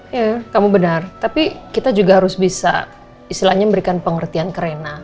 iya kamu benar tapi kita juga harus bisa istilahnya memberikan pengertian ke rena